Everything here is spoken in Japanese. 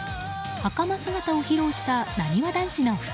はかま姿を披露したなにわ男子の２人。